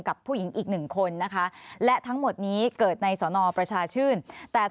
กับผู้หญิงอีก๑คนนะคะ